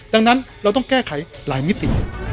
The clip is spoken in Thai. ดังนั้นเราต้องแก้ไขหลายมิติ